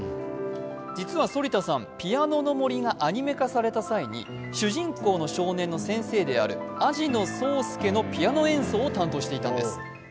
実は反田さん、「ピアノの森」がアニメ化された際に主人公の少年の先生であるあじのそうすけのピアノ演奏を担当していたんです。